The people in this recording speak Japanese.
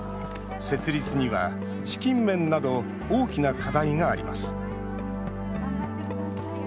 設立には、資金面など大きな課題があります。